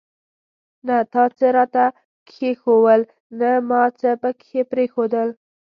نه تا څه راته کښېښوول ، نه ما څه پکښي پريښودل.